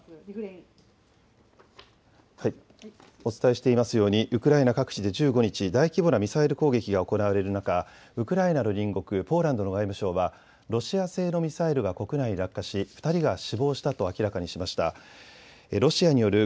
お伝えしていますようにウクライナ各地で１５日、大規模なミサイル攻撃が行われる中、ウクライナの隣国ポーランドの外務省はロシア製のミサイルが国内に落下し２人が死亡したと明らかにしました。